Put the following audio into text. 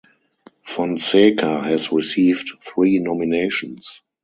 Fonseca has received three nominations.